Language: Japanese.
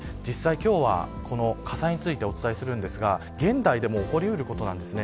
今日は、この火災についてお伝えしますが、現代でも起こりうることなんですね。